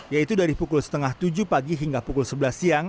yaitu dari pukul setengah tujuh pagi hingga pukul sebelas siang